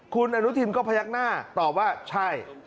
คุณอนุทินก็พยักหน้าตอบว่าใช่